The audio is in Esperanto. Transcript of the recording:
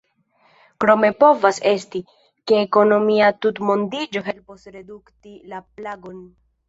Krome povas esti, ke ekonomia tutmondiĝo helpos redukti la plagon.